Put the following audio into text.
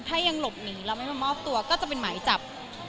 ถ้ายังหลบหนีแล้วไม่มามอบตัวก็จะเป็นหมายจับ